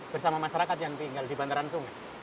bersama masyarakat yang tinggal di bantaran sungai